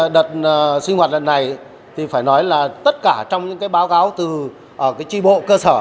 đợt sinh hoạt đợt này thì phải nói là tất cả trong những cái báo cáo từ cái tri bộ cơ sở